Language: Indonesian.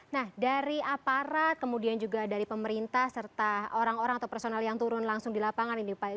nah dari aparat kemudian juga dari pemerintah serta orang orang atau personal yang turun langsung di lapangan ini pak